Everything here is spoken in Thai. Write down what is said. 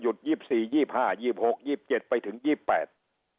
ยุดยิบสี่ยี่บห้ายี่บวคยสิบเจ็ดไปถึงยี่บแปด